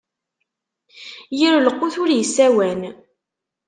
Yir lqut ur issawan.